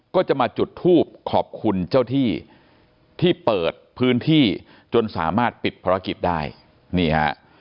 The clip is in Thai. ก็จะมาจุดทูบขอบคุณเจ้าที่ที่เปิดพื้นที่จนสามารถปิดภารกิจได้นี่ฮะ